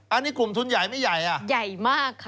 อันนี้กลุ่มทุนใหญ่ไม่ใหญ่อ่ะใหญ่มากค่ะ